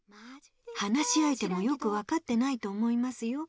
話しあいてもよくわかってないと思いますよ。